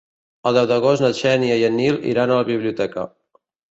El deu d'agost na Xènia i en Nil iran a la biblioteca.